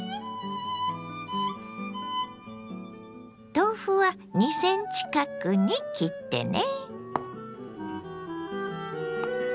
豆腐は２ｃｍ角に切ってね。